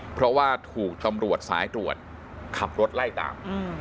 เพราะว่าถูกตำรวจสายตรวจขับรถไล่ตาม